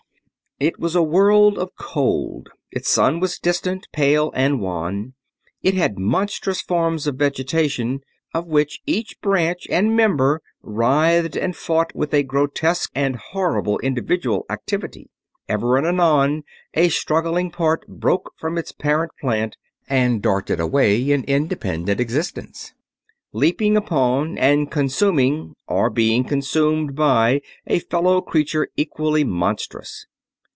It was a world of cold; its sun was distant, pale, and wan. It had monstrous forms of vegetation, of which each branch and member writhed and fought with a grotesque and horrible individual activity. Ever and anon a struggling part broke from its parent plant and darted away in independent existence; leaping upon and consuming or being consumed by a fellow creature equally monstrous.